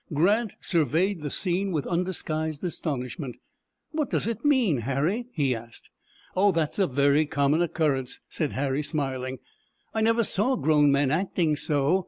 Grant surveyed the scene with undisguised astonishment. "What does it mean, Harry?" he asked. "Oh, that's a very common occurrence," said Harry, smiling. "I never saw grown men acting so.